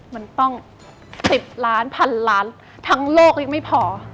มันต้อง๑๐ล้านพันล้านทั้งโลกยังไม่พอ